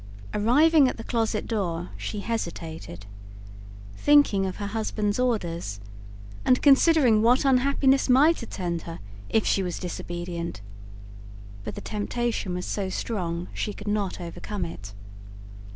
Arriving at the closet door, she hesitated, thinking of her husband's orders and considering what unhappiness might attend her if she was disobedient; but the temptation was so strong she could not overcome it.